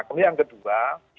kemudian yang kedua